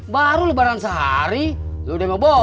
baru lebaran sehari lu udah ngebohong